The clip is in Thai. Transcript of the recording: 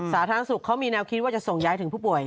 สาธารณสุขเขามีแนวคิดว่าจะส่งย้ายถึงผู้ป่วย